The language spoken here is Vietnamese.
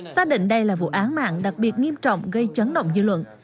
xác định đây là vụ án mạng đặc biệt nghiêm trọng gây chấn động dư luận